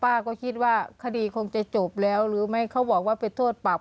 ป้าก็คิดว่าคดีคงจะจบแล้วหรือไม่เขาบอกว่าไปโทษปรับ